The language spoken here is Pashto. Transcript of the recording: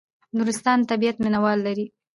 نورستان د طبیعت مینه وال لري